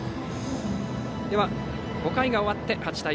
５回が終わって８対４。